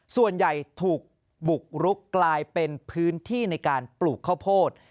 ส่วนใหญ่ถูกบุกรุกกลายเป็นพื้นที่ในการปลูกข้าวโพด